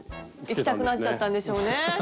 いきたくなっちゃったんでしょうね。